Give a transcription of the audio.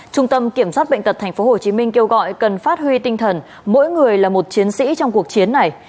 trung tâm kiểm soát bệnh tật tp hcm kêu gọi cần phát huy tinh thần mỗi người là một chiến sĩ trong cuộc chiến này